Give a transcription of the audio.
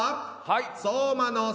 はい。